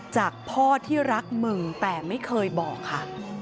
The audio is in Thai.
จากพ่อที่รักมึงแต่ไม่เคยบอกค่ะ